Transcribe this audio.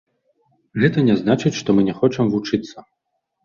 Гэта не значыць, што мы не хочам вучыцца.